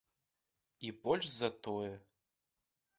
І больш за тое.